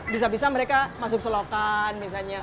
bisa bisa mereka masuk selokan misalnya